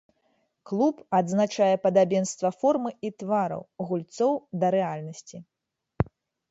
Клуб адзначае падабенства формы і твараў гульцоў да рэальнасці.